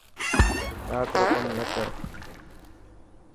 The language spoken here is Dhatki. رات رو ڪم نه ڪر.